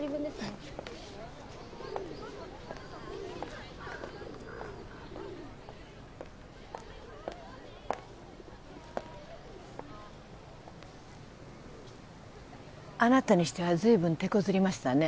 はいあなたにしてはずいぶんてこずりましたね